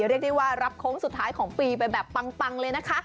เรียกได้ว่ารับโค้งสุดท้ายของปีไปแบบปังเลยนะคะ